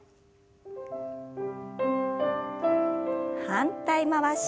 反対回し。